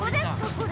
これ。